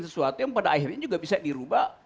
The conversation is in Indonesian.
sesuatu yang pada akhirnya juga bisa dirubah